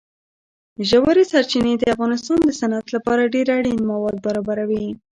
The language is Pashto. ژورې سرچینې د افغانستان د صنعت لپاره ډېر اړین مواد برابروي.